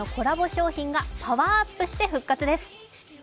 商品がパワーアップして復活です。